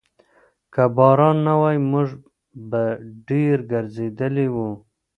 که باران نه وای، موږ به ډېر ګرځېدلي وو.